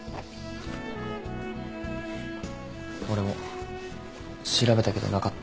俺も調べたけどなかった。